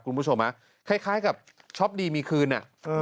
คุณผู้ชมคล้ายกับช็อปดีมีคืนอ่ะ